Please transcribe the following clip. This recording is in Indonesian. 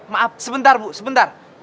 maaf sebentar bu sebentar